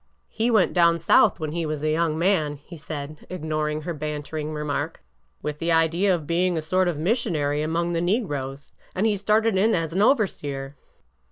He went down South when he was a young man," he said, ignoring her bantering remark, with the idea of being a sort of missionary among the negroes, and he started in as an overseer."